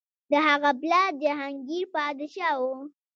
د هغه پلار جهانګیر پادشاه و.